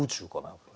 やっぱり。